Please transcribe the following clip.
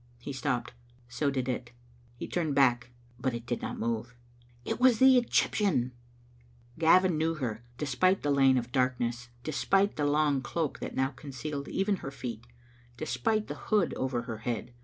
He stopped. So did it. He turned back, but it did not move. It was the Egyptian ! Gavin knew her, despite the lane of darkness, despite the long cloak that now concealed even her feet, despite the hood over her head.